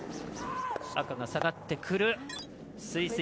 赤が下がってくる。